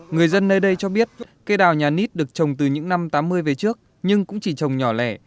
người dân nơi đây cho biết cây đào nhà nít được trồng từ những năm tám mươi về trước nhưng cũng chỉ trồng nhỏ lẻ